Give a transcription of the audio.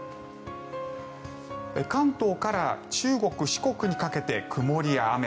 関東から中国・四国にかけて曇りや雨。